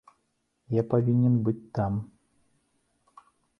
Я павінен быць там.